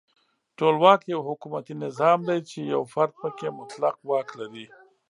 ټولواک یو حکومتي نظام دی چې یو فرد پکې مطلق واک لري.